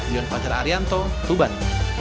yon pacar arianto tuban